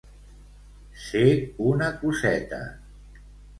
Ser una coseta.